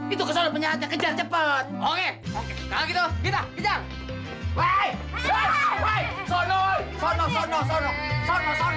itu ke sana penjahatnya kejar cepat